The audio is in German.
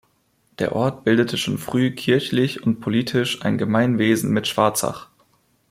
Der Ort bildete schon früh kirchlich und politisch ein Gemeinwesen mit Schwarzach.